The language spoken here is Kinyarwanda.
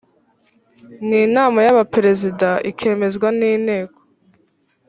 n inama y abaperezida ikemezwa n inteko